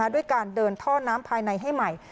ด้วยการเดินท่อน้ำภายในให้ใหม่